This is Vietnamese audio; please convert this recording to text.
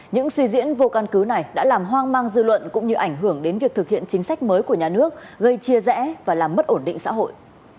những suy diễn vô căn cứ này đã làm hoang mang dư luận cũng như ảnh hưởng đến việc thực hiện chính sách mới của nhà nước gây chia rẽ và làm mất ổn định xã hội